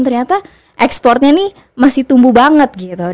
ternyata ekspornya ini masih tumbuh banget gitu